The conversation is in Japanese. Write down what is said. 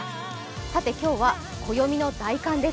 さて今日は暦の大寒です。